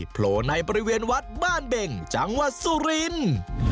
โผล่ในบริเวณวัดบ้านเบ่งจังหวัดสุรินทร์